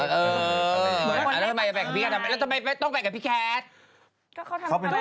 แล้วทำไมต้องแบบกับพี่แคท